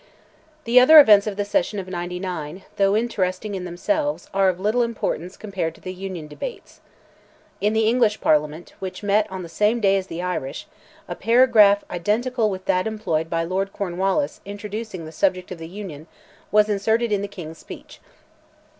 The other events of the session of '99, though interesting in themselves, are of little importance compared to the union debates. In the English Parliament, which met on the same day as the Irish, a paragraph identical with that employed by Lord Cornwallis in introducing the subject of the Union, was inserted in the King's speech.